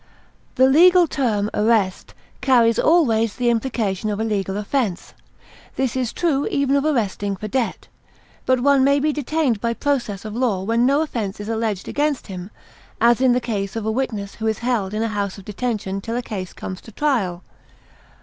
The legal term arrest carries always the implication of a legal offense; this is true even of arresting for debt. But one may be detained by process of law when no offense is alleged against him, as in the case of a witness who is held in a house of detention till a case comes to trial.